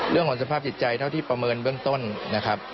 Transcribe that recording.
เรื่องของสภาพจิตใจเท่าที่ประเมินเบื้องต้นนะครับ